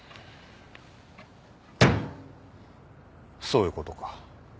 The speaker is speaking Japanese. そういうことか。